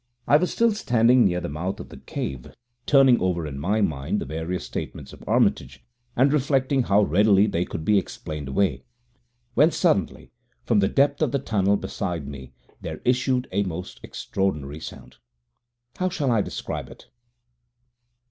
I was still standing near the mouth of the cave turning over in my mind the various statements of Armitage, and reflecting how readily they could be explained away, when suddenly, from the depth of the tunnel beside me, there issued a most extraordinary sound. How shall I describe it?